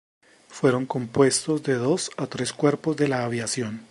Fueron compuestos de dos a tres cuerpos de la aviación.